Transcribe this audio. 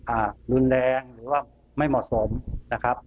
อ่ารุนแรงหรือว่าไม่เหมาะสมนะครับ